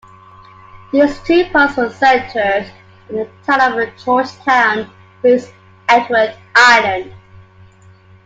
These two polls were centred in the town of Georgetown, Prince Edward Island.